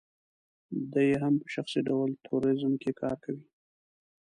دی هم په شخصي ډول ټوریزم کې کار کوي.